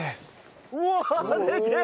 うわでけえ！